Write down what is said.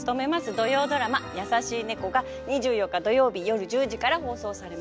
土曜ドラマ「やさしい猫」が２４日土曜日よる１０時から放送されます。